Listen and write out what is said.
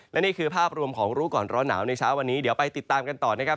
และนี่คือภาพรวมของรู้ก่อนร้อนหนาวในเช้าวันนี้เดี๋ยวไปติดตามกันต่อนะครับ